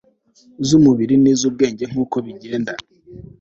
zumubiri nizubwenge nkuko bigenda